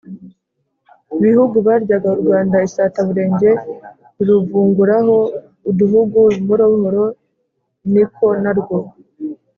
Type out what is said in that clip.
bihugu byaryaga u rwanda isataburenge, biruvunguraho uduhugu buhoro buhoro, niko narwo